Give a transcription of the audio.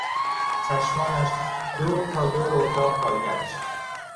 چشمانش دور تا دور اتاق را گشت.